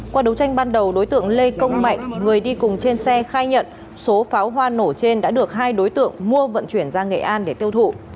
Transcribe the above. qua đấu tranh ban đầu đối tượng lê công mạnh người đi cùng trên xe khai nhận số pháo hoa nổ trên đã được hai đối tượng mua vận chuyển ra nghệ an để tiêu thụ